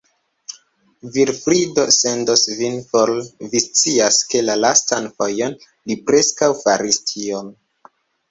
Vilfrido sendos vin for; vi scias, ke, la lastan fojon, li preskaŭ faris tion.